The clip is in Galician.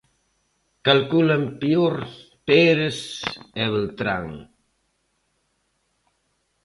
Calculan peor Pérez e Beltrán.